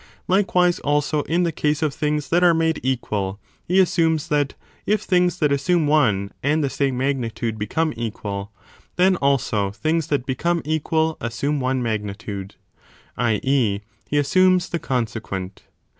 Likewise also in the case of things that 40 are made equal he assumes that if things that assume one i6g a and the same magnitude become equal, then also things that become equal assume one magnitude : 4 i. e. he assumes the consequent.